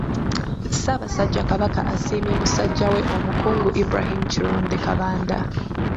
Ssaabasajja Kabaka asiimye musajja we Omukungu Ibrahim Kironde Kabanda.